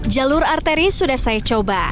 jalur arteri sudah saya coba